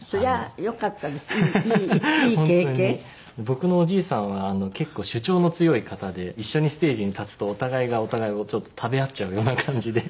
僕のおじいさんは結構主張の強い方で一緒にステージに立つとお互いがお互いをちょっと食べ合っちゃうような感じで。